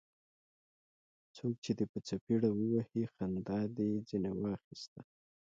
څوک چي دي په څپېړه ووهي؛ خندا دي ځني واخسته.